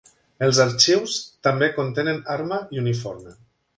Els arxius també contenen arma i uniforme.